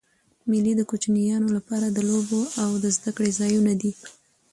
مېلې د کوچنيانو له پاره د لوبو او زدهکړي ځایونه دي.